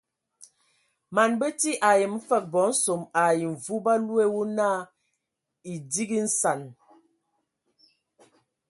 Man bəti ayəm fəg bɔ nsom ai mvu ba loe wo na edigi nsan.